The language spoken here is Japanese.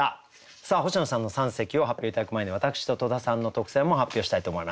さあ星野さんの三席を発表頂く前に私と戸田さんの特選も発表したいと思います。